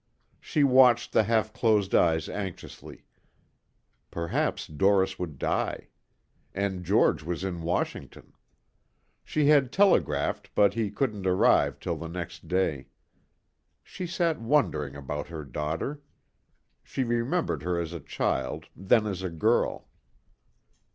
She watched the half closed eyes anxiously. Perhaps Doris would die. And George was in Washington. She had telegraphed but he couldn't arrive till the next day. She sat wondering about her daughter. She remembered her as a child, then as a girl.